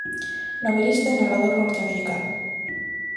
Novelista e narrador norteamericano.